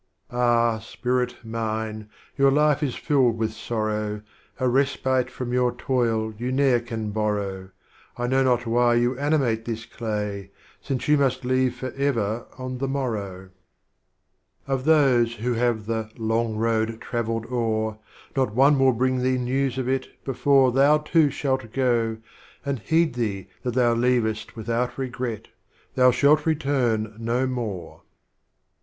Ah, Spirit Mine, your Life is filled with Sorrow, A Respite from j ^our Toil you ne'er can borrow, I know not why you animate this Clay, Since You must leave forever on the Morrow. Strophes of Omar Khayyam. 19 vn. Of Those who have the "Long Road" travelled o'er, Not One will bring Thee News of it, before Thou too Shalt go, and heed Thee that Thou leavest Without Regret, Thou shalt return no more.